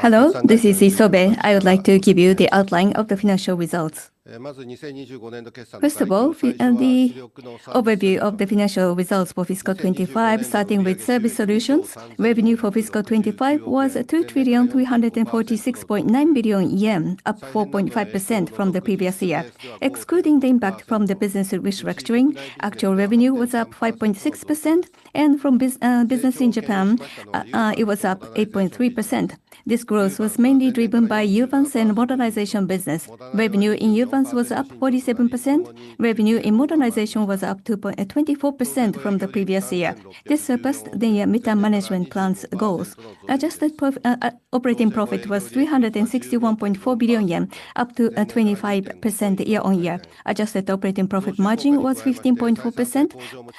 Hello, this is Isobe. I would like to give you the outline of the financial results. First of all, the overview of the financial results for fiscal 2025, starting with Service Solutions. Revenue for fiscal 2025 was 2,346.9 billion yen, up 4.5% from the previous year. Excluding the impact from the business restructuring, actual revenue was up 5.6% and from business in Japan, it was up 8.3%. This growth was mainly driven by Uvance and modernization business. Revenue in Uvance was up 47%. Revenue in modernization was up 24% from the previous year. This surpassed the mid-term management plan's goals. Adjusted operating profit was 361.4 billion yen, up to 25% year-on-year. Adjusted operating profit margin was 15.4%,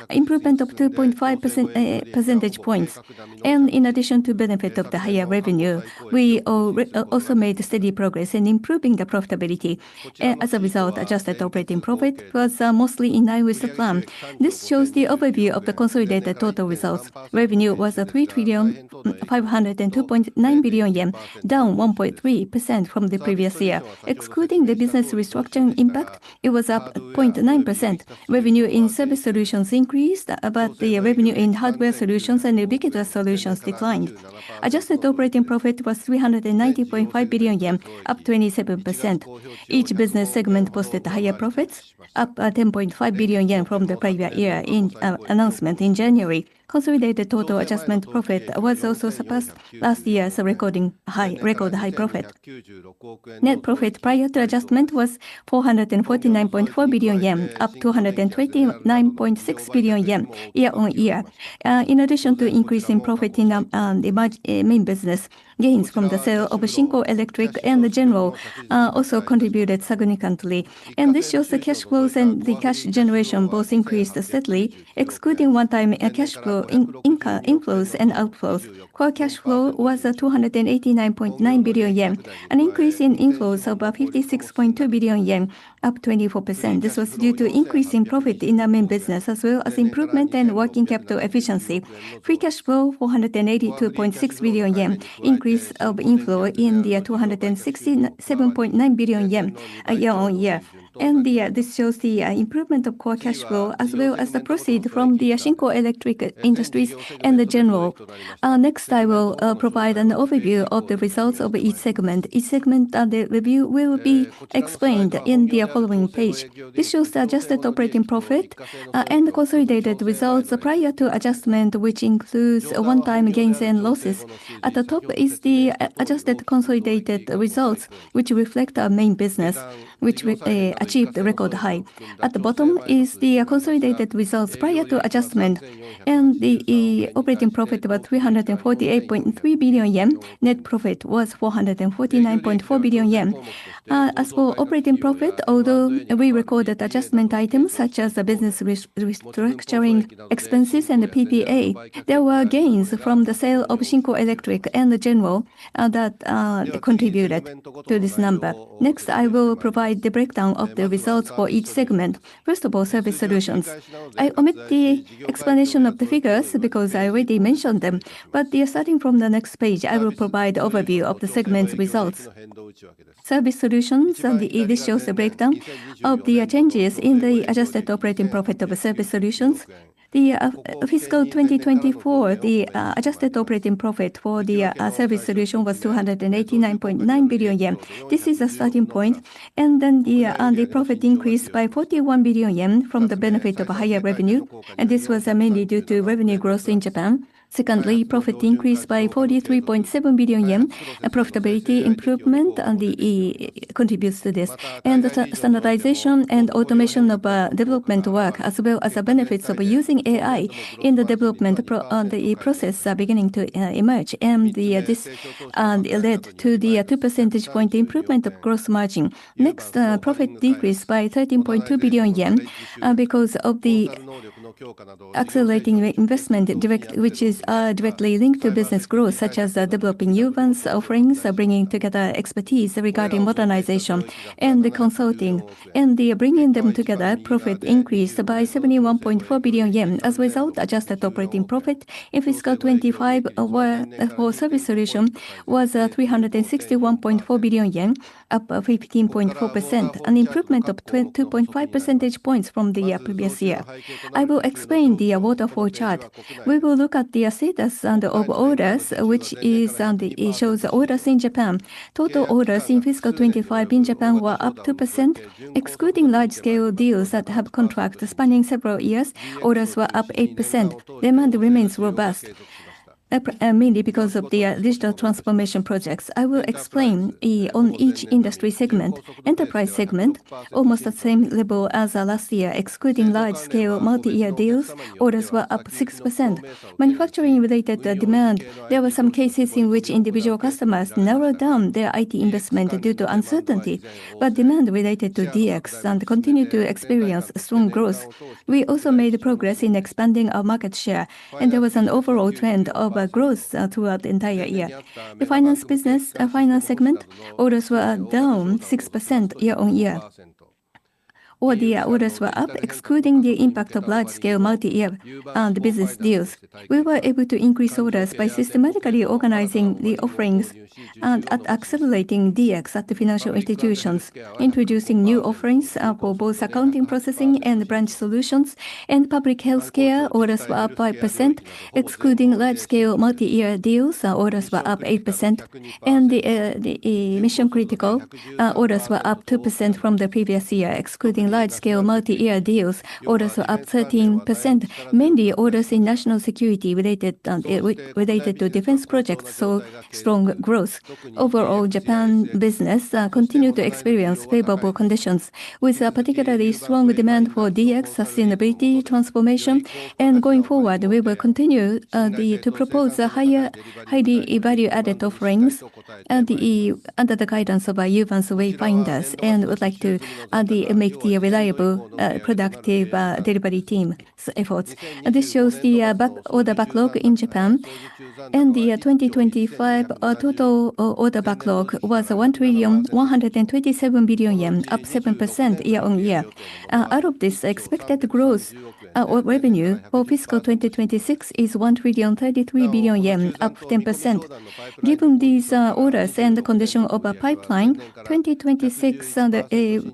improvement of 2.5 percentage points. In addition to benefit of the higher revenue, we also made steady progress in improving the profitability. As a result, adjusted operating profit was mostly in line with the plan. This shows the overview of the consolidated total results. Revenue was 3,502.9 billion yen, down 1.3% from the previous year. Excluding the business restructuring impact, it was up 0.9%. Revenue in Service Solutions increased, the revenue in Hardware Solutions and Ubiquitous Solutions declined. Adjusted operating profit was 390.5 billion yen, up 27%. Each business segment posted higher profits, up 10.5 billion yen from the prior year. In announcement in January, consolidated total adjustment profit was also surpassed last year's record high profit. Net profit prior to adjustment was 449.4 billion yen, up 229.6 billion yen year-on-year. In addition to increasing profit in the main business, gains from the sale of SHINKO ELECTRIC and GENERAL also contributed significantly. This shows the cash flows and the cash generation both increased steadily. Excluding one-time cash flow inflows and outflows, core cash flow was 289.9 billion yen, an increase in inflows of 56.2 billion yen, up 24%. This was due to increase in profit in our main business, as well as improvement in working capital efficiency. Free cash flow, 482.6 billion yen. Increase of inflow in the year, 267.9 billion yen year on year. This shows the improvement of core cash flow as well as the proceed from the SHINKO ELECTRIC INDUSTRIES and the GENERAL. Next I will provide an overview of the results of each segment. Each segment, the review will be explained in the following page. This shows the adjusted operating profit and the consolidated results prior to adjustment, which includes one-time gains and losses. At the top is the adjusted consolidated results, which reflect our main business, which we achieved a record high. At the bottom is the consolidated results prior to adjustment and the operating profit was 348.3 billion yen. Net profit was 449.4 billion yen. As for operating profit, although we recorded adjustment items such as the business restructuring expenses and the PPA, there were gains from the sale of SHINKO ELECTRIC and GENERAL that contributed to this number. Next, I will provide the breakdown of the results for each segment. First of all, Service Solutions. I omit the explanation of the figures because I already mentioned them, but starting from the next page, I will provide overview of the segment's results. Service Solutions, this shows the breakdown of the changes in the adjusted operating profit of Service Solutions. The fiscal 2024, the adjusted operating profit for the Service Solutions was 289.9 billion yen. This is a starting point. The profit increased by 41 billion yen from the benefit of higher revenue, and this was mainly due to revenue growth in Japan. Secondly, profit increased by 43.7 billion yen. Profitability improvement on the contributes to this. The standardization and automation of development work, as well as the benefits of using AI in the development on the process are beginning to emerge. This led to the 2 percentage point improvement of gross margin. Next, profit decreased by 13.2 billion yen because of the accelerating investment which is directly linked to business growth, such as the developing Uvance offerings, bringing together expertise regarding modernization and the consulting. The bringing them together, profit increased by 71.4 billion yen. As a result, adjusted operating profit in fiscal 2025 were for Service Solutions was 361.4 billion yen, up 15.4%, an improvement of 2.5 percentage points from the previous year. I will explain the waterfall chart. We will look at the status and the orders, which is the shows orders in Japan. Total orders in fiscal 2025 in Japan were up 2%. Excluding large scale deals that have contract spanning several years, orders were up 8%. Demand remains robust, up mainly because of the digital transformation projects. I will explain on each industry segment. Enterprise segment, almost the same level as last year. Excluding large scale multi-year deals, orders were up 6%. Manufacturing related demand, there were some cases in which individual customers narrowed down their IT investment due to uncertainty, but demand related to DX and continued to experience strong growth. We also made progress in expanding our market share, and there was an overall trend of growth throughout the entire year. The finance business, finance segment orders were down 6% year-over-year. All the orders were up excluding the impact of large-scale multi-year business deals. We were able to increase orders by systematically organizing the offerings and at accelerating DX at the financial institutions, introducing new offerings for both accounting processing and branch solutions. In public healthcare, orders were up by percent. Excluding large-scale multi-year deals, our orders were up 8%. The mission critical orders were up 2% from the previous year. Excluding large scale multi-year deals, orders were up 13%. Many orders in national security related to defense projects, strong growth. Overall, Japan business continued to experience favorable conditions with a particularly strong demand for DX sustainability transformation. Going forward, we will continue to propose highly value-added offerings under the guidance of our Uvance Wayfinders, and would like to make the reliable, productive delivery team efforts. This shows the order backlog in Japan. In 2025, our total order backlog was 1,127 billion yen, up 7% year on year. Out of this expected growth, our revenue for fiscal 2026 is 1,033 billion yen, up 10%. Given these orders and the condition of our pipeline, 2026 on the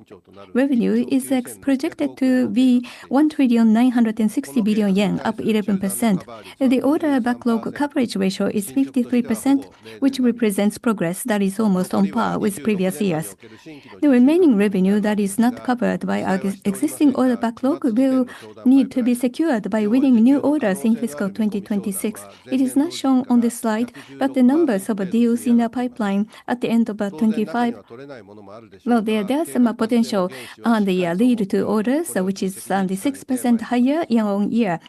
revenue is projected to be 1,960 billion yen, up 11%. The order backlog coverage ratio is 53%, which represents progress that is almost on par with previous years. The remaining revenue that is not covered by our existing order backlog will need to be secured by winning new orders in fiscal 2026. It is not shown on this slide, but the numbers of deals in our pipeline at the end of 2025, well, there are some potential on the lead to orders, which is 6% higher year-over-year.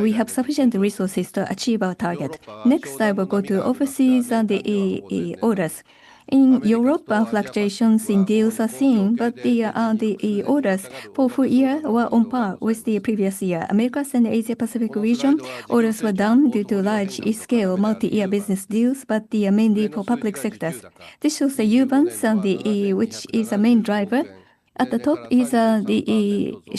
We have sufficient resources to achieve our target. Next, I will go to overseas and the orders. In Europe, fluctuations in deals are seen, but the orders for full year were on par with the previous year. Americas and Asia Pacific region orders were down due to large e-scale multi-year business deals, but they are mainly for public sectors. This shows the Uvance and the, which is a main driver. At the top is,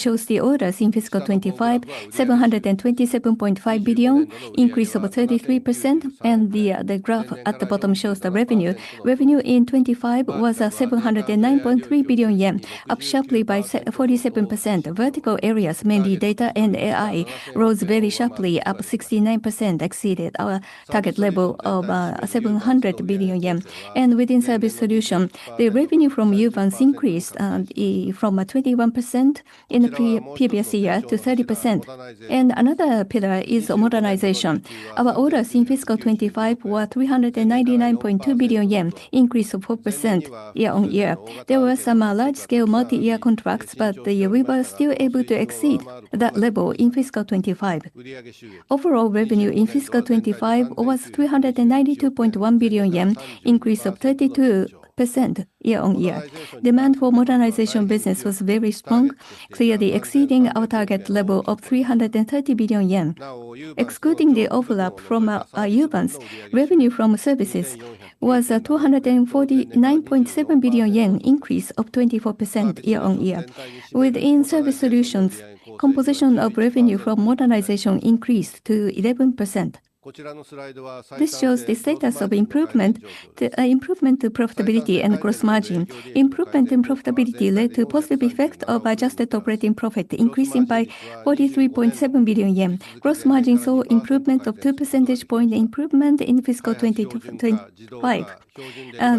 shows the orders in fiscal 2025, 727.5 billion, increase of 33%. The graph at the bottom shows the revenue. Revenue in 2025 was 709.3 billion yen, up sharply by 47%. Vertical areas, mainly data and AI, rose very sharply, up 69%, exceeded our target level of 700 billion yen. Within Service Solutions, the revenue from Uvance increased from 21% in the pre-previous year to 30%. Another pillar is modernization. Our orders in fiscal 2025 were 399.2 billion yen, increase of 4% year on year. There were some large scale multi-year contracts, but we were still able to exceed that level in fiscal 2025. Overall revenue in fiscal 2025 was 392.1 billion yen, increase of 32% year on year. Demand for modernization business was very strong, clearly exceeding our target level of 330 billion yen. Excluding the overlap from Uvance, revenue from services was 249.7 billion yen, increase of 24% year on year. Within Service Solutions, composition of revenue from modernization increased to 11%. This shows the status of improvement to profitability and gross margin. Improvement in profitability led to positive effect of adjusted operating profit, increasing by 43.7 billion yen. Gross margin saw improvement of 2 percentage point in fiscal 2020 to 2025.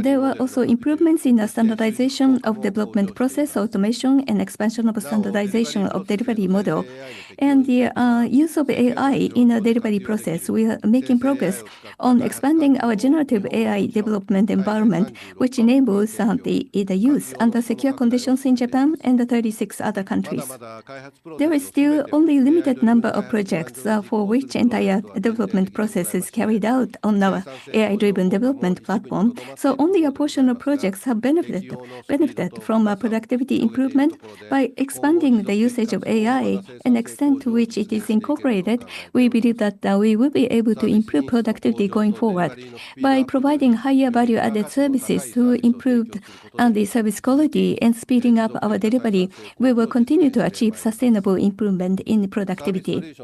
There were also improvements in the standardization of development process automation and expansion of standardization of delivery model and the use of AI in our delivery process. We are making progress on expanding our generative AI development environment, which enables the use under secure conditions in Japan and the 36 other countries. There is still only limited number of projects for which entire development process is carried out on our AI-driven development platform. Only a portion of projects have benefited from a productivity improvement. By expanding the usage of AI and extent to which it is incorporated, we believe that we will be able to improve productivity going forward. By providing higher value-added services through improved the service quality and speeding up our delivery, we will continue to achieve sustainable improvement in productivity.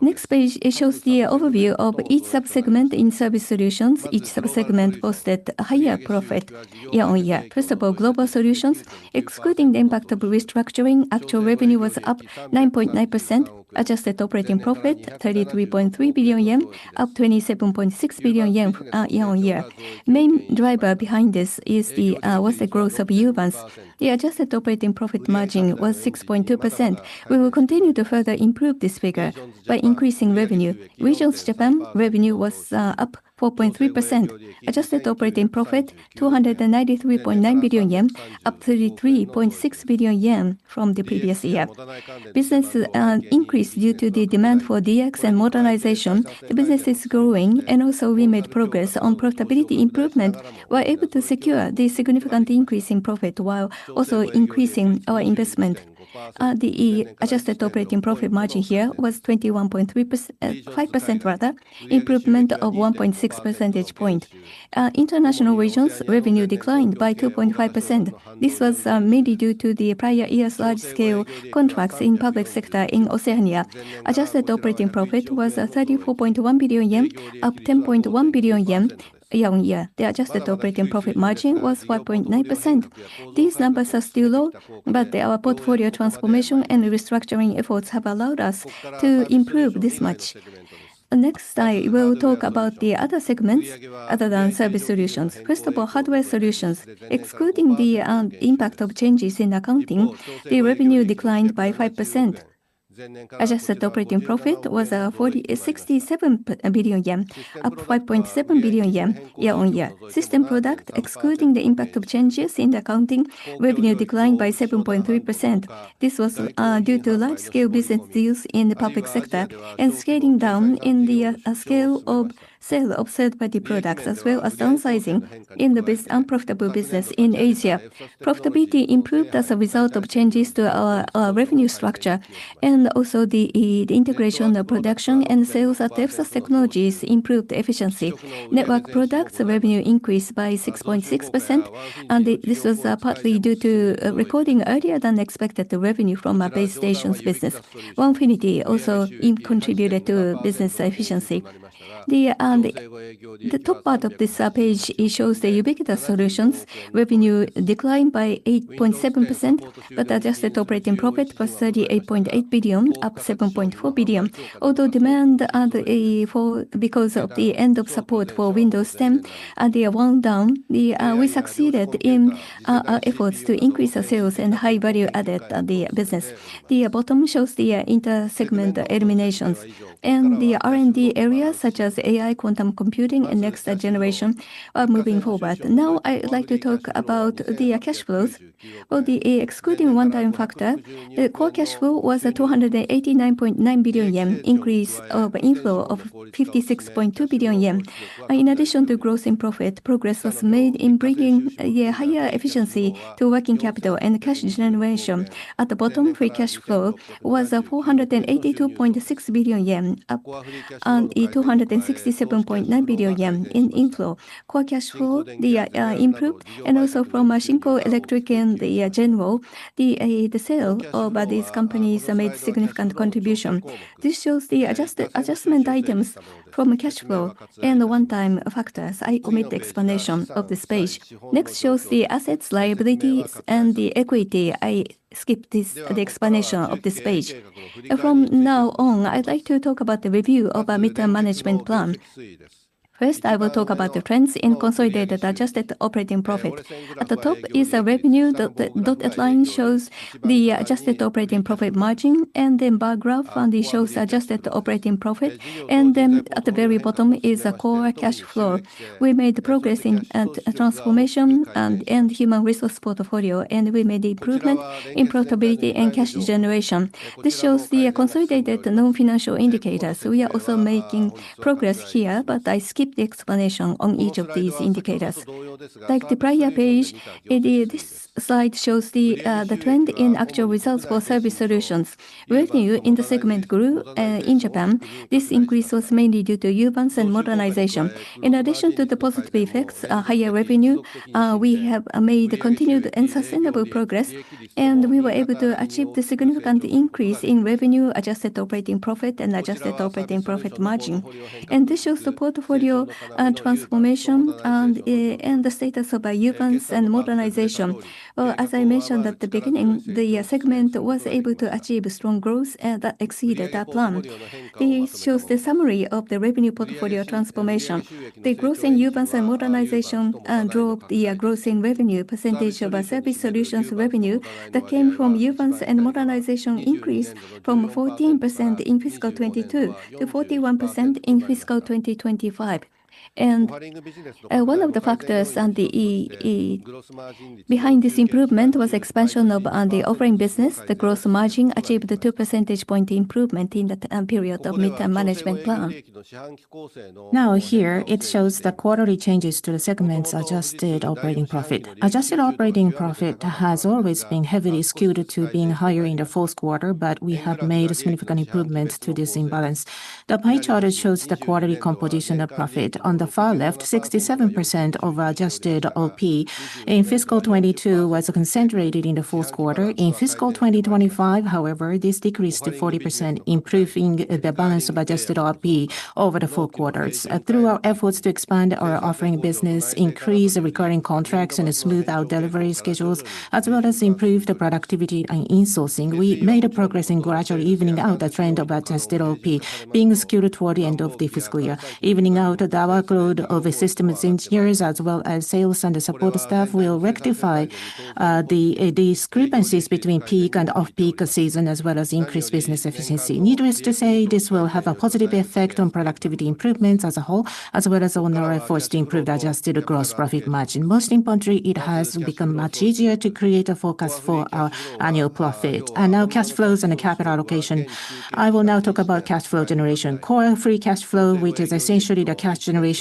Next page, it shows the overview of each subsegment in Service Solutions. Each subsegment posted a higher profit year-on-year. First of all, Global Solutions. Excluding the impact of restructuring, actual revenue was up 9.9%. Adjusted operating profit, 33.3 billion yen, up 27.6 billion yen year-on-year. Main driver behind this is the was the growth of Uvance. The adjusted operating profit margin was 6.2%. We will continue to further improve this figure by increasing revenue. Regions Japan revenue was up 4.3%. Adjusted operating profit, 293.9 billion yen, up 33.6 billion yen from the previous year. Business increased due to the demand for DX and modernization. The business is growing and also we made progress on profitability improvement. We're able to secure the significant increase in profit while also increasing our investment. The adjusted operating profit margin here was 21.5% rather, improvement of 1.6 percentage point. International Regions revenue declined by 2.5%. This was mainly due to the prior year's large scale contracts in public sector in Oceania. Adjusted operating profit was 34.1 billion yen, up 10.1 billion yen year on year. The adjusted operating profit margin was 4.9%. These numbers are still low, but our portfolio transformation and restructuring efforts have allowed us to improve this much. I will talk about the other segments other than Service Solutions. Hardware Solutions. Excluding the impact of changes in accounting, the revenue declined by 5%. Adjusted operating profit was 67 billion yen, up 5.7 billion yen year-over-year. System product, excluding the impact of changes in the accounting revenue declined by 7.3%. This was due to large scale business deals in the public sector and scaling down in the scale of sale of third-party products, as well as downsizing in the unprofitable business in Asia. Profitability improved as a result of changes to our revenue structure and also the integration of production and sales at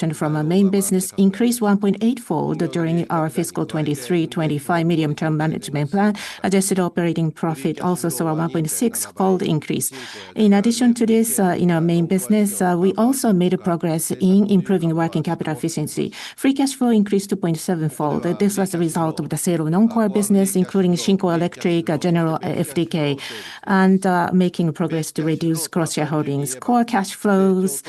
In addition to this, in our main business, we also made a progress in improving working capital efficiency. Free cash flow increased to 0.7-fold. This was the result of the sale of non-core business, including SHINKO ELECTRIC, GENERAL FDK, and making progress to reduce cross-shareholdings, core cash flows,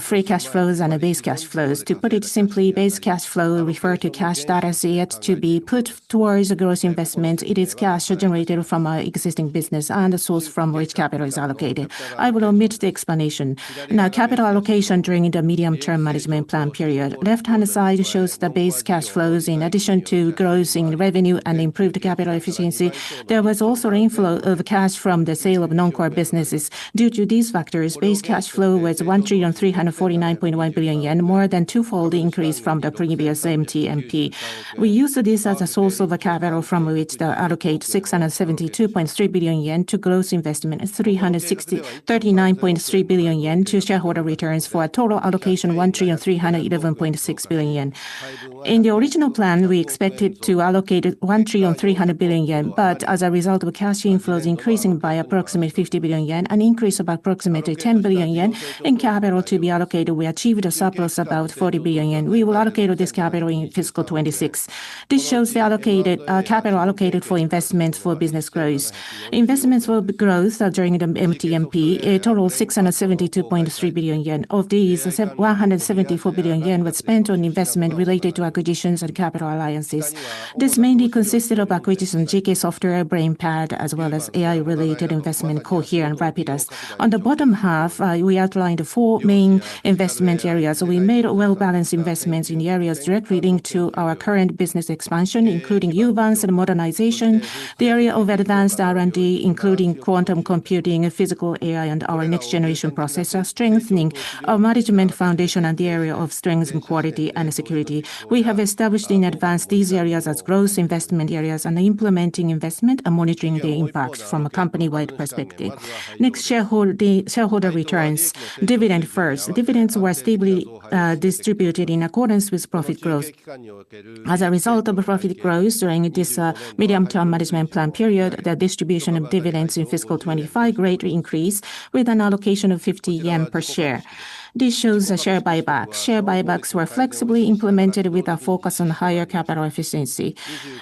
free cash flows and base cash flows. To put it simply, base cash flow refer to cash that is yet to be put towards a gross investment. It is cash generated from our existing business and a source from which capital is allocated. I will omit the explanation. Now, capital allocation during the medium-term management plan period. Left-hand side shows the base cash flows in addition to grossing revenue and improved capital efficiency. There was also inflow of cash from the sale of non-core businesses. Due to these factors, base cash flow was 1,349.1 billion yen, more than twofold increase from the previous MTMP. We use this as a source of a capital from which to allocate 672.3 billion yen to gross investment, 339.3 billion yen to shareholder returns, for a total allocation 1,311.6 billion yen. In the original plan, we expected to allocate 1,300 billion yen, as a result of cash inflows increasing by approximately 50 billion yen, an increase of approximately 10 billion yen in capital to be allocated, we achieved a surplus about 40 billion yen. We will allocate this capital in fiscal 2026. This shows the allocated capital allocated for investment for business growth. Investments for growth during the MTMP total 672.3 billion yen. Of these, 174 billion yen was spent on investment related to acquisitions and capital alliances. This mainly consisted of acquisition GK Software, BrainPad, as well as AI-related investment Cohere and Rapidus. On the bottom half, we outlined the four main investment areas. We made well-balanced investments in the areas direct relating to our current business expansion, including Uvance and modernization, the area of advanced R&D, including quantum computing and Physical AI and our next-generation processor, strengthening our management foundation and the area of strength and quality and security. We have established in advance these areas as growth investment areas and implementing investment and monitoring the impact from a company-wide perspective. Next, shareholder returns. Dividend first. Dividends were stably distributed in accordance with profit growth. As a result of profit growth during this medium-term management plan period, the distribution of dividends in fiscal 2025 greatly increased with an allocation of 50 yen per share. This shows a share buyback. Share buybacks were flexibly implemented with a focus on higher capital efficiency.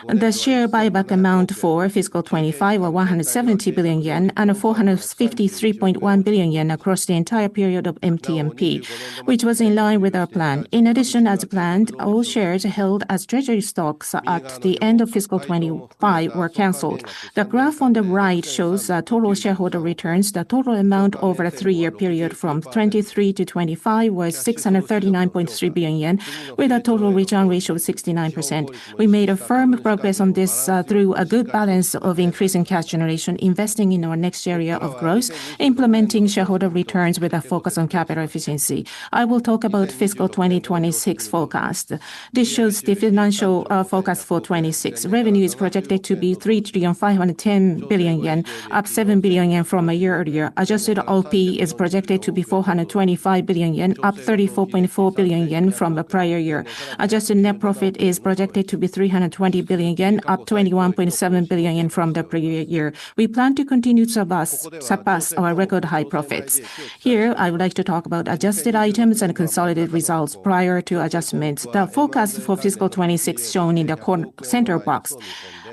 The share buyback amount for fiscal 2025 were 170 billion yen and 453.1 billion yen across the entire period of MTMP, which was in line with our plan. In addition, as planned, all shares held as treasury stocks at the end of fiscal 2025 were canceled. The graph on the right shows the total shareholder returns. The total amount over a three-year period from 2023 to 2025 was 639.3 billion yen with a total return ratio of 69%. We made a firm progress on this through a good balance of increasing cash generation, investing in our next area of growth, implementing shareholder returns with a focus on capital efficiency. I will talk about fiscal 2026 forecast. This shows the financial forecast for 2026. Revenue is projected to be 3,510 billion yen, up 7 billion yen from a year earlier. Adjusted OP is projected to be 425 billion yen, up 34.4 billion yen from the prior year. Adjusted net profit is projected to be 320 billion yen, up 21.7 billion yen from the previous year. We plan to continue to surpass our record high profits. Here, I would like to talk about adjusted items and consolidated results prior to adjustments. The forecast for fiscal 2026 shown in the center box.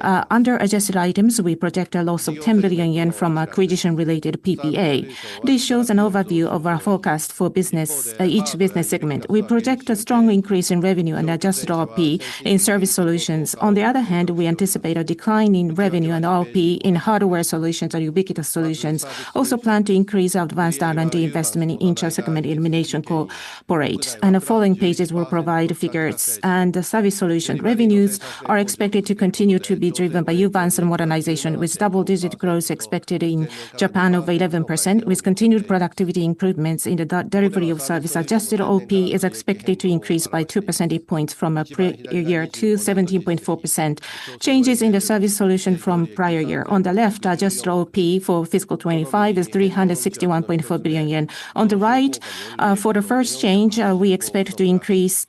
Under adjusted items, we project a loss of 10 billion yen from acquisition-related PPA. This shows an overview of our forecast for business, each business segment. We project a strong increase in revenue and adjusted OP in Service Solutions. On the other hand, we anticipate a decline in revenue and OP in Hardware Solutions and Ubiquitous Solutions. Also plan to increase advanced R&D investment in each segment elimination corporate. The following pages will provide figures. The Service Solutions revenues are expected to continue to be driven by Uvance and modernization, with double-digit growth expected in Japan of 11%, with continued productivity improvements in the delivery of service. Adjusted OP is expected to increase by 2 percentage points from a pre year to 17.4%. Changes in the Service Solutions from prior year. On the left, adjusted OP for fiscal 2025 is 361.4 billion yen. On the right, for the first change, we expect to increase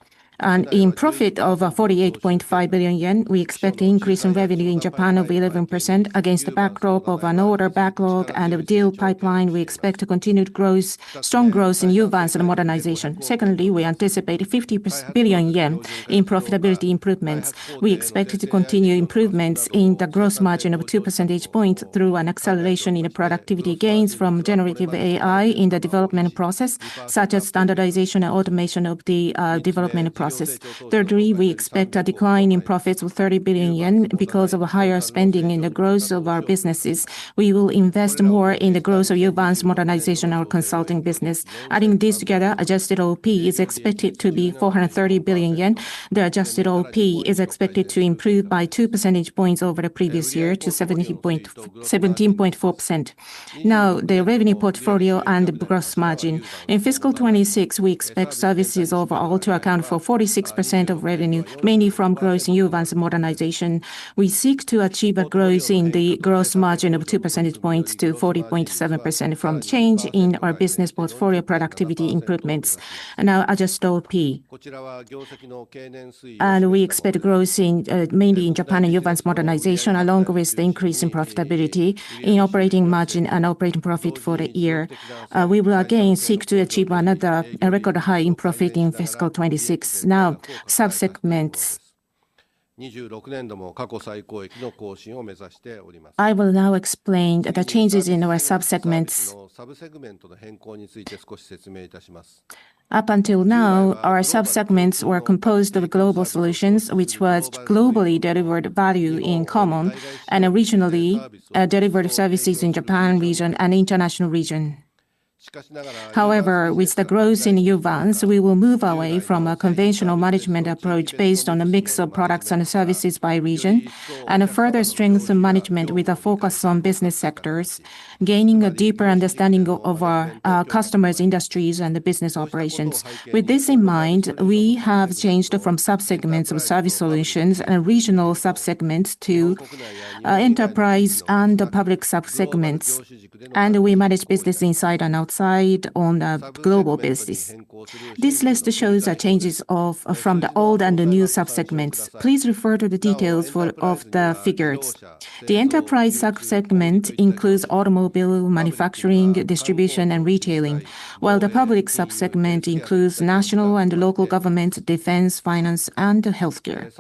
in profit of 48.5 billion yen. We expect an increase in revenue in Japan of 11% against the backdrop of an order backlog and a deal pipeline. We expect a continued growth, strong growth in Uvance and modernization. Secondly, we anticipate 50 billion yen in profitability improvements. We expect to continue improvements in the gross margin of 2 percentage points through an acceleration in productivity gains from generative AI in the development process, such as standardization and automation of the development process. Thirdly, we expect a decline in profits of 30 billion yen because of a higher spending in the growth of our businesses. We will invest more in the growth of Uvance modernization, our consulting business. Adding these together, adjusted OP is expected to be 430 billion yen. The adjusted OP is expected to improve by 2 percentage points over the previous year to 17.4%. Now, the revenue portfolio and gross margin. In fiscal 2026, we expect services overall to account for 46% of revenue, mainly from growth in Uvance and modernization. We seek to achieve a growth in the gross margin of 2 percentage points to 40.7% from change in our business portfolio productivity improvements and adjusted OP. We expect growth in, mainly in Japan and Uvance modernization, along with the increase in profitability in operating margin and operating profit for the year. We will again seek to achieve another, a record high in profit in fiscal 2026. Now, subsegments, I will now explain the changes in our sub-segments. Up until now, our sub-segments were composed of Global Solutions, which was globally delivered value in common, and originally delivered services in Japan Region and International Region. With the growth in Uvance, we will move away from a conventional management approach based on a mix of products and services by region, and further strengthen management with a focus on business sectors, gaining a deeper understanding of our customers, industries, and the business operations. With this in mind, we have changed from sub-segments of Service Solutions and regional sub-segments to enterprise and public sub-segments. We manage business inside and outside on a global basis. This list shows the changes of, from the old and the new sub-segments. Please refer to the details of the figures. The enterprise sub-segment includes automobile manufacturing, distribution, and retailing, while the public sub-segment includes national and local government, defense, finance, and healthcare.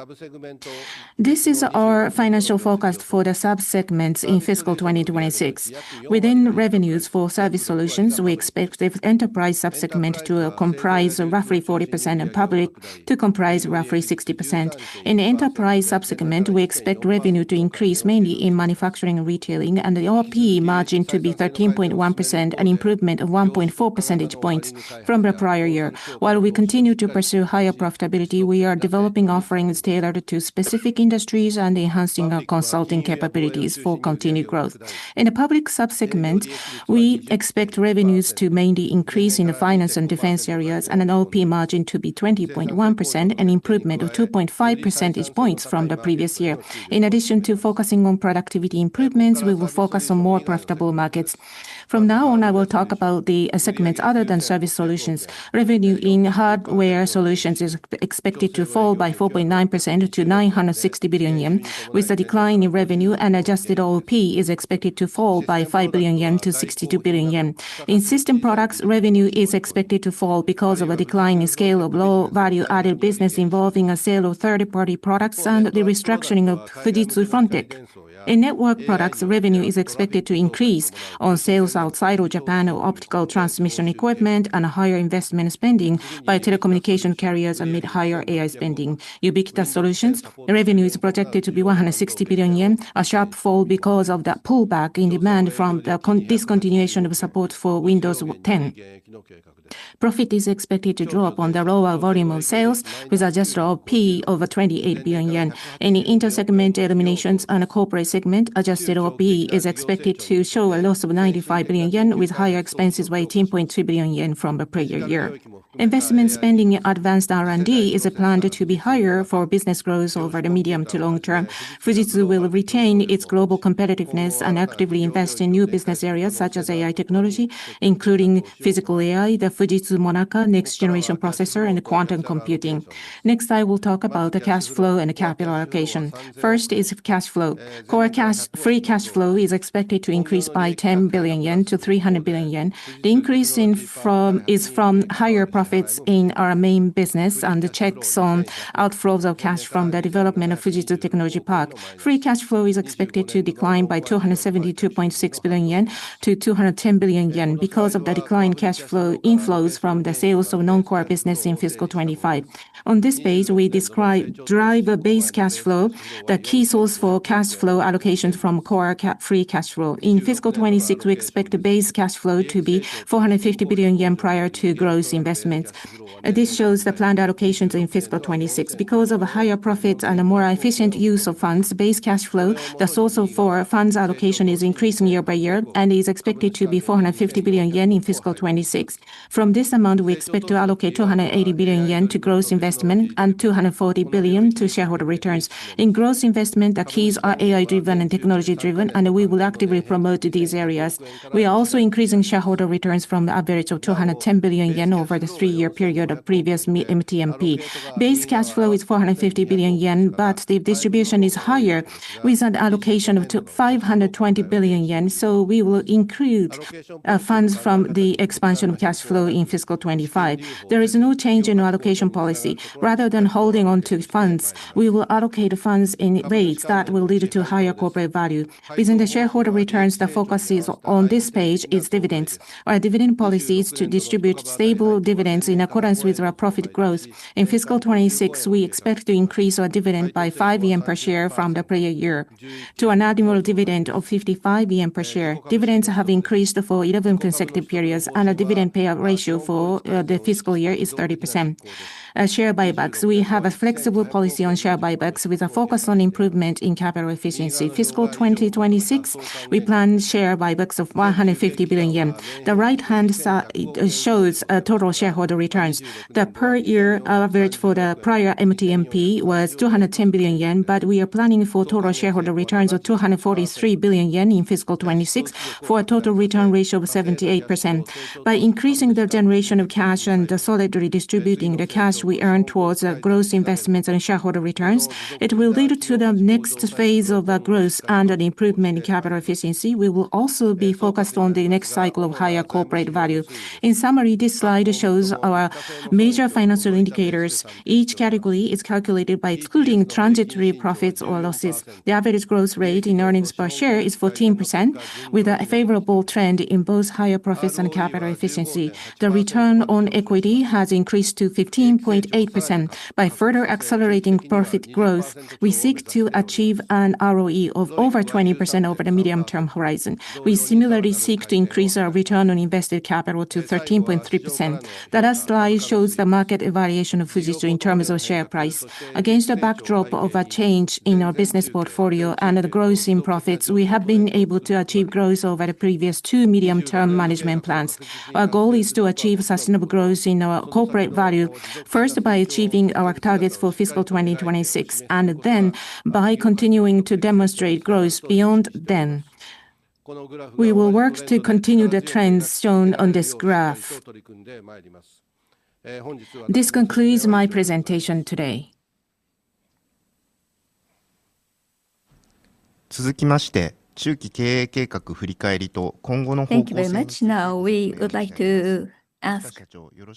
This is our financial forecast for the sub-segments in fiscal 2026. Within revenues for Service Solutions, we expect the enterprise sub-segment to comprise roughly 40% and public to comprise roughly 60%. In enterprise sub-segment, we expect revenue to increase mainly in manufacturing and retailing, and the OP margin to be 13.1%, an improvement of 1.4 percentage points from the prior year. While we continue to pursue higher profitability, we are developing offerings tailored to specific industries and enhancing our consulting capabilities for continued growth. In the public sub-segment, we expect revenues to mainly increase in the finance and defense areas, and an OP margin to be 20.1%, an improvement of 2.5 percentage points from the previous year. In addition to focusing on productivity improvements, we will focus on more profitable markets. From now on, I will talk about the segments other than Service Solutions. Revenue in Hardware Solutions is expected to fall by 4.9% to 960 billion yen, with a decline in revenue, and adjusted OP is expected to fall by 5 billion yen to 62 billion yen. In system products, revenue is expected to fall because of a decline in scale of low value-added business involving a sale of third-party products and the restructuring of Fujitsu Frontech. In network products, revenue is expected to increase on sales outside of Japan of optical transmission equipment and a higher investment spending by telecommunication carriers amid higher AI spending. Ubiquitous Solutions, revenue is projected to be 160 billion yen, a sharp fall because of the pullback in demand from the discontinuation of support for Windows 10. Profit is expected to drop on the lower volume of sales with adjusted OP over 28 billion yen. In the inter-segment eliminations and the corporate segment, adjusted OP is expected to show a loss of 95 billion yen, with higher expenses by 18.3 billion yen from the prior year. Investment spending in advanced R&D is planned to be higher for business growth over the medium to long term. Fujitsu will retain its global competitiveness and actively invest in new business areas such as AI technology, including Physical AI, the FUJITSU-MONAKA next generation processor, and quantum computing. Next, I will talk about the cash flow and capital allocation. First is cash flow. Core cash, free cash flow is expected to increase by 10 billion yen to 300 billion yen. is from higher profits in our main business and the checks on outflows of cash from the development of Fujitsu Technology Park. Free cash flow is expected to decline by 272.6 billion yen to 210 billion yen because of the decline cash flow inflows from the sales of non-core business in fiscal 2025. On this page, we describe driver base cash flow, the key source for cash flow allocations from free cash flow. In fiscal 2026, we expect the base cash flow to be 450 billion yen prior to gross investments. This shows the planned allocations in fiscal 2026. Because of higher profits and a more efficient use of funds, base cash flow, the source for funds allocation, is increasing year by year and is expected to be 450 billion yen in fiscal 2026. From this amount, we expect to allocate 280 billion yen to gross investment and 240 billion to shareholder returns. In gross investment, the keys are AI-driven and technology-driven, and we will actively promote these areas. We are also increasing shareholder returns from the average of 210 billion yen over this three-year period of previous MTMP. Base cash flow is 450 billion yen, but the distribution is higher with an allocation of 520 billion yen, so we will include funds from the expansion of cash flow in fiscal 2025. There is no change in allocation policy. Rather than holding on to funds, we will allocate funds in ways that will lead to higher corporate value. Within the shareholder returns, the focus is, on this page, is dividends. Our dividend policy is to distribute stable dividends in accordance with our profit growth. In fiscal 2026, we expect to increase our dividend by 5 yen per share from the prior year to an annual dividend of 55 yen per share. Dividends have increased for 11 consecutive periods, a dividend payout ratio for the fiscal year is 30%. Share buybacks, we have a flexible policy on share buybacks with a focus on improvement in capital efficiency. Fiscal 2026, we plan share buybacks of 150 billion yen. The right-hand shows total shareholder returns. The per year average for the prior MTMP was 210 billion yen, We are planning for total shareholder returns of 243 billion yen in fiscal 2026, for a total return ratio of 78%. By increasing the generation of cash and solidly distributing the cash we earn towards gross investments and shareholder returns, it will lead to the next phase of the growth and an improvement in capital efficiency. We will also be focused on the next cycle of higher corporate value. In summary, this slide shows our major financial indicators. Each category is calculated by excluding transitory profits or losses. The average growth rate in earnings per share is 14%, with a favorable trend in both higher profits and capital efficiency. The return on equity has increased to 15.8%. By further accelerating profit growth, we seek to achieve an ROE of over 20% over the medium-term horizon. We similarly seek to increase our return on invested capital to 13.3%. The last slide shows the market evaluation of Fujitsu in terms of share price. Against a backdrop of a change in our business portfolio and the growth in profits, we have been able to achieve growth over the previous two medium-term management plans. Our goal is to achieve sustainable growth in our corporate value, first by achieving our targets for fiscal 2026, and then by continuing to demonstrate growth beyond then. We will work to continue the trends shown on this graph. This concludes my presentation today. Thank you very much. Now we would like to ask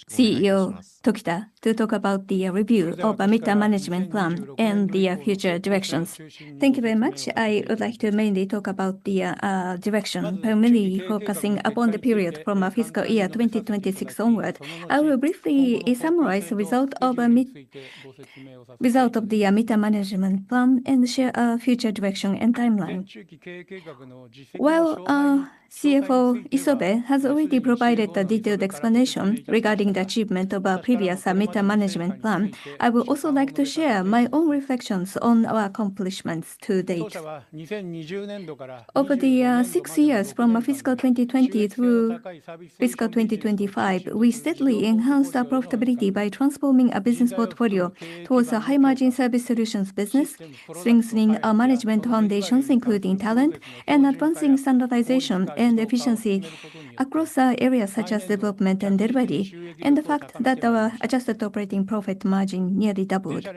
CEO Tokita to talk about the review of our mid-term management plan and the future directions. Thank you very much. I would like to mainly talk about the direction, primarily focusing upon the period from fiscal year 2026 onward. I will briefly summarize the result of the mid-term management plan and share our future direction and timeline. While our CFO Isobe has already provided a detailed explanation regarding the achievement of our previous mid-term management plan, I would also like to share my own reflections on our accomplishments to date. Over the six years from fiscal 2020 through fiscal 2025, we steadily enhanced our profitability by transforming our business portfolio towards a high margin Service Solutions business, strengthening our management foundations, including talent and advancing standardization and efficiency across our areas such as development and delivery. The fact that our adjusted operating profit margin nearly doubled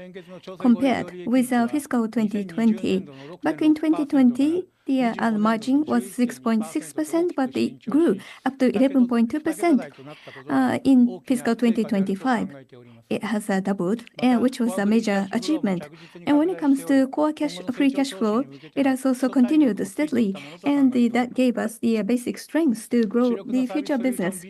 compared with our fiscal 2020. Back in 2020, the margin was 6.6%, but it grew up to 11.2% in FY 2025. It has doubled, which was a major achievement. When it comes to core cash, free cash flow, it has also continued steadily, and that gave us the basic strengths to grow the future business.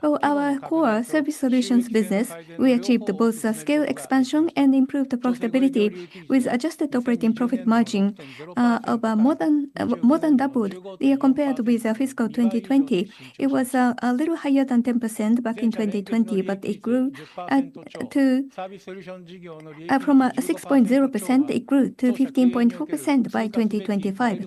For our core Service Solutions business, we achieved both the scale expansion and improved profitability with adjusted operating profit margin of more than doubled compared with FY 2020. It was a little higher than 10% back in 2020, but it grew from 6.0% to 15.4% by 2025.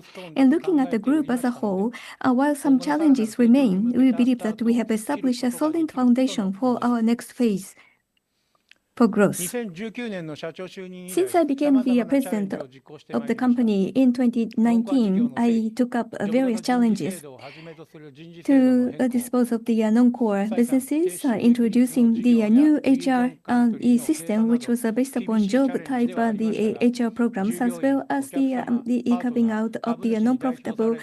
Looking at the group as a whole, while some challenges remain, we believe that we have established a solid foundation for our next phase for growth. Since I became the president of the company in 2019, I took up various challenges to dispose of the non-core businesses, introducing the new HR system, which was based upon job type, the HR programs, as well as the carving out of the non-profitable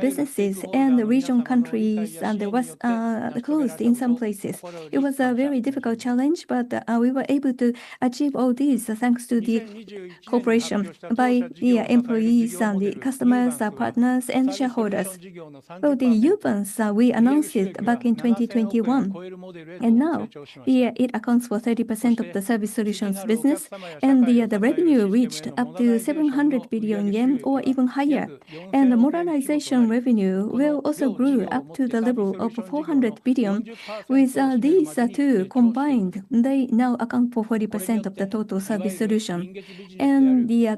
businesses and the region countries. It was closed in some places. It was a very difficult challenge, but we were able to achieve all this thanks to the cooperation by the employees and the customers, our partners and shareholders. For the Fujitsu Uvance that we announced back in 2021, and now it accounts for 30% of the Service Solutions business, and the revenue reached up to 700 billion yen or even higher. The modernization revenue will also grew up to the level of 400 billion. With these two combined, they now account for 40% of the total Service Solutions.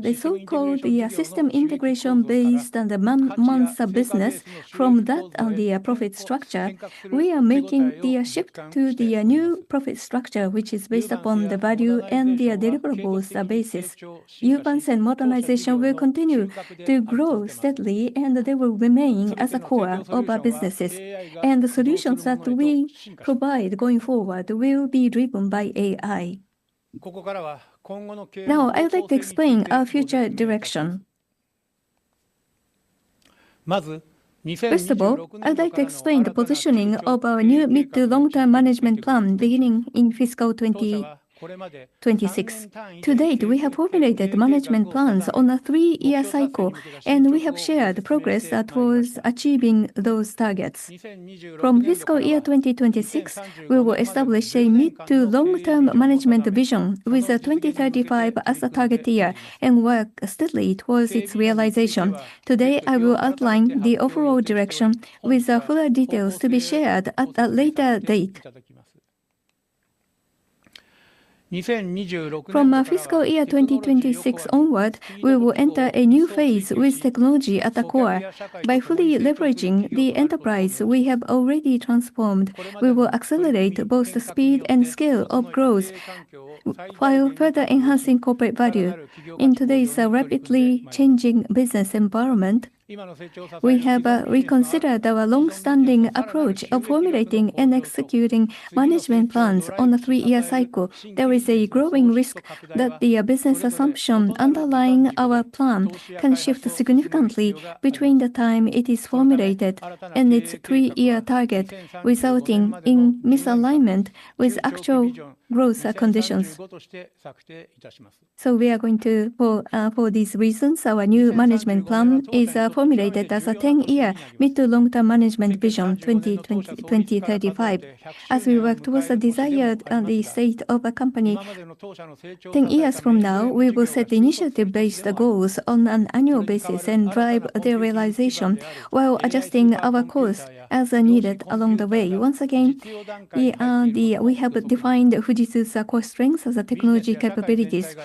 The so-called system integration based on the man-months business from that on the profit structure, we are making the shift to the new profit structure, which is based upon the value and the deliverables basis. Fujitsu Uvance and modernization will continue to grow steadily, and they will remain as a core of our businesses. The solutions that we provide going forward will be driven by AI. Now I would like to explain our future direction. First of all, I'd like to explain the positioning of our new mid to long term management plan beginning in fiscal 2026. To date we have formulated management plans on a three-year cycle, and we have shared progress that was achieving those targets. From fiscal year 2026, we will establish a mid to long term management vision with 2035 as the target year and work steadily towards its realization. Today, I will outline the overall direction with the fuller details to be shared at a later date. From fiscal year 2026 onward, we will enter a new phase with technology at the core. By fully leveraging the enterprise we have already transformed, we will accelerate both the speed and scale of growth while further enhancing corporate value. In today's rapidly changing business environment, we have reconsidered our long-standing approach of formulating and executing management plans on a three-year cycle. There is a growing risk that the business assumption underlying our plan can shift significantly between the time it is formulated and its three-year target, resulting in misalignment with actual growth conditions. For these reasons, our new management plan is formulated as a 10-year mid-to-long-term management vision 2020, 2035. As we work towards the desired, the state of a company, 10 years from now, we will set initiative-based goals on an annual basis and drive their realization while adjusting our course as needed along the way. Once again, we have defined Fujitsu's core strengths as the technology capabilities.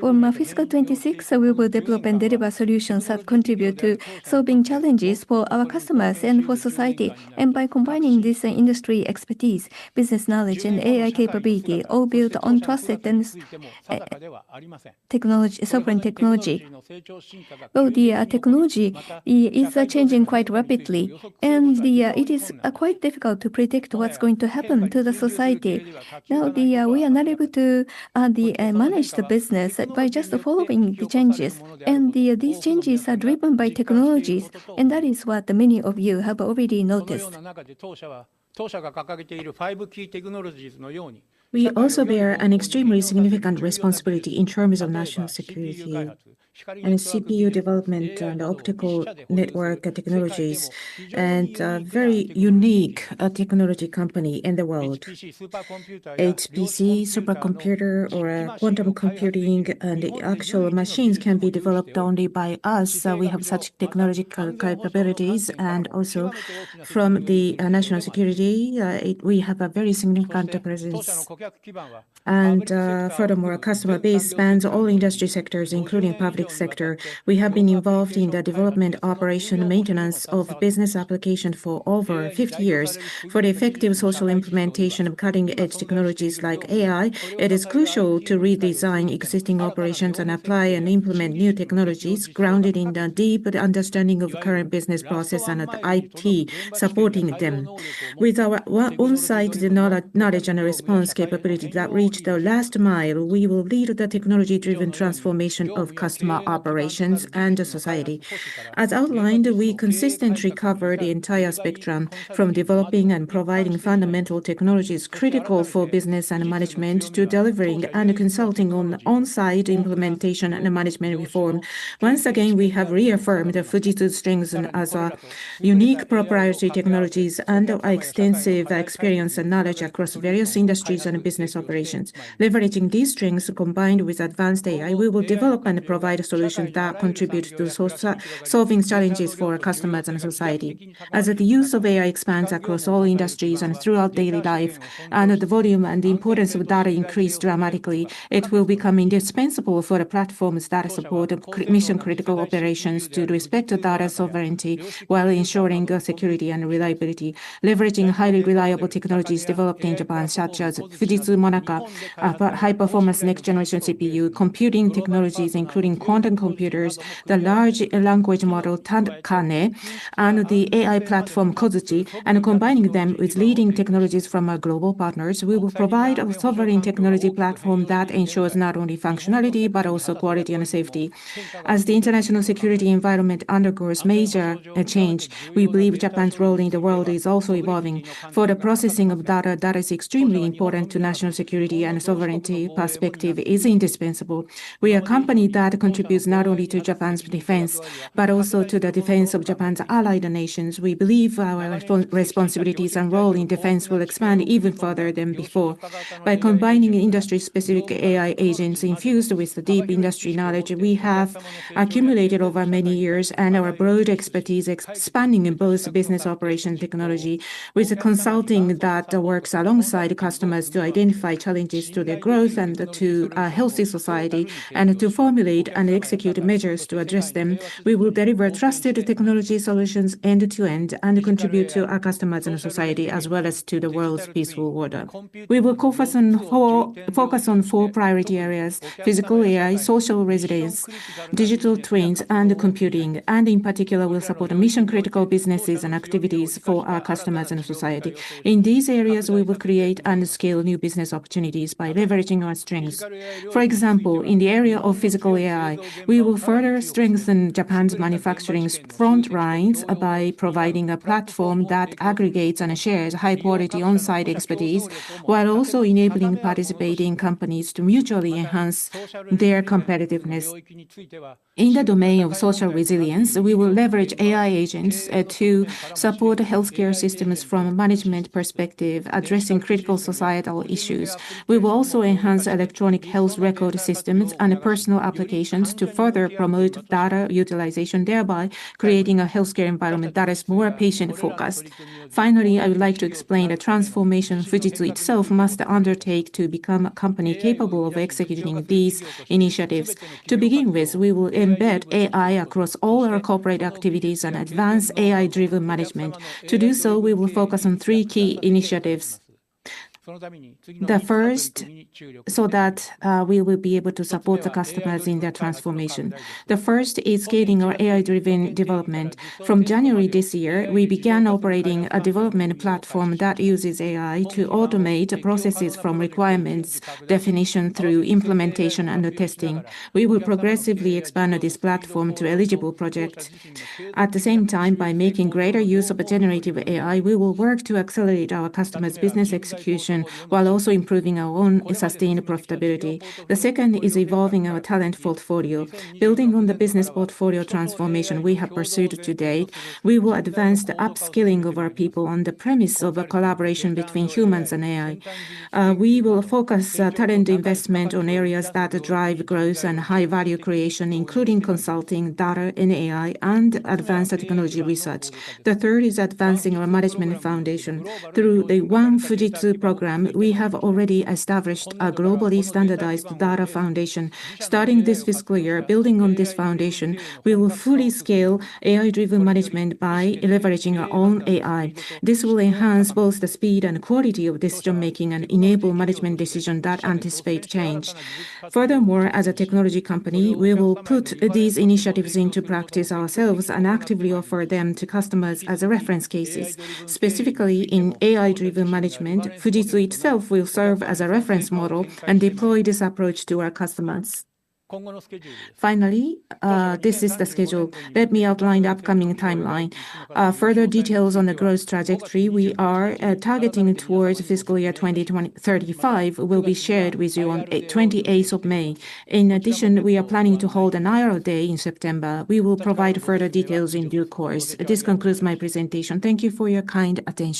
For my fiscal 2026, we will develop and deliver solutions that contribute to solving challenges for our customers and for society. By combining this industry expertise, business knowledge and AI capability all built on trusted and sovereign technology. Well, the technology, it's changing quite rapidly, and it is quite difficult to predict what's going to happen to the society. Now, we are not able to manage the business by just following the changes. These changes are driven by technologies, and that is what many of you have already noticed. We also bear an extremely significant responsibility in terms of national security and CPU development and optical network technologies and very unique technology company in the world. HPC supercomputer or quantum computing. The actual machines can be developed only by us, so we have such technological capabilities. From the national security, we have a very significant presence. Furthermore, customer base spans all industry sectors, including public sector. We have been involved in the development, operation and maintenance of business application for over 50 years. For the effective social implementation of cutting-edge technologies like AI, it is crucial to redesign existing operations and apply and implement new technologies grounded in the deep understanding of the current business process and the IT supporting them. With our on-site knowledge and response capability that reach the last mile, we will lead the technology-driven transformation of customer operations and society. As outlined, we consistently cover the entire spectrum from developing and providing fundamental technologies critical for business and management to delivering and consulting on on-site implementation and management reform. Once again, we have reaffirmed the Fujitsu strengths as a unique proprietary technologies and extensive experience and knowledge across various industries and business operations. Leveraging these strengths combined with advanced AI, we will develop and provide solutions that contribute to solving challenges for customers and society. As the use of AI expands across all industries and throughout daily life, and the volume and importance of data increase dramatically, it will become indispensable for the platforms that support mission critical operations to respect data sovereignty while ensuring security and reliability. Leveraging highly reliable technologies developed in Japan, such as FUJITSU-MONAKA, high-performance next generation CPU, computing technologies including quantum computers, the large language model, Takane, and the AI platform, Kozuchi, and combining them with leading technologies from our global partners, we will provide a sovereign technology platform that ensures not only functionality, but also quality and safety. As the international security environment undergoes major change, we believe Japan's role in the world is also evolving. For the processing of data that is extremely important to national security and sovereignty perspective is indispensable. We are a company that contributes not only to Japan's defense, but also to the defense of Japan's allied nations. We believe our responsibilities and role in defense will expand even further than before. By combining industry specific AI agents infused with the deep industry knowledge we have accumulated over many years and our broad expertise expanding in both business operation technology with consulting that works alongside customers to identify challenges to their growth and to a healthy society and to formulate and execute measures to address them. We will focus on four priority areas: Physical AI, Social Resilience, Digital Twins and computing, and in particular will support mission critical businesses and activities for our customers and society. In these areas, we will create and scale new business opportunities by leveraging our strengths. For example, in the area of Physical AI, we will further strengthen Japan's manufacturing's front lines by providing a platform that aggregates and shares high quality on-site expertise while also enabling participating companies to mutually enhance their competitiveness. In the domain of Social Resilience, we will leverage AI agents to support healthcare systems from a management perspective, addressing critical societal issues. We will also enhance electronic health record systems and personal applications to further promote data utilization, thereby creating a healthcare environment that is more patient focused. Finally, I would like to explain the transformation Fujitsu itself must undertake to become a company capable of executing these initiatives. To begin with, we will embed AI across all our corporate activities and advance AI driven management. To do so, we will focus on three key initiatives. The first, we will be able to support the customers in their transformation. The first is scaling our AI driven development. From January this year, we began operating a development platform that uses AI to automate processes from requirements definition through implementation and testing. We will progressively expand this platform to eligible projects. At the same time, by making greater use of generative AI, we will work to accelerate our customers' business execution while also improving our own sustained profitability. The second is evolving our talent portfolio. Building on the business portfolio transformation we have pursued to date, we will advance the upskilling of our people on the premise of a collaboration between humans and AI. We will focus talent investment on areas that drive growth and high value creation, including consulting, data and AI and advanced technology research. The third is advancing our management foundation. Through the One Fujitsu program, we have already established a globally standardized data foundation. Starting this fiscal year, building on this foundation, we will fully scale AI-driven management by leveraging our own AI. This will enhance both the speed and quality of decision making and enable management decision that anticipate change. Furthermore, as a technology company, we will put these initiatives into practice ourselves and actively offer them to customers as a reference cases. Specifically, in AI-driven management, Fujitsu itself will serve as a reference model and deploy this approach to our customers. Finally, this is the schedule. Let me outline the upcoming timeline. Further details on the growth trajectory we are targeting towards fiscal year 2035 will be shared with you on May 28th. In addition, we are planning to hold an IR Day in September. We will provide further details in due course. This concludes my presentation. Thank you for your kind attention.